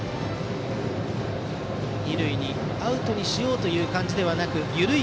二塁にアウトにしようという感じではなく緩い